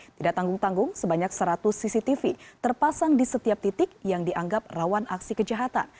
tidak tanggung tanggung sebanyak seratus cctv terpasang di setiap titik yang dianggap rawan aksi kejahatan